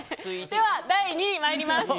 では、第２位に参ります。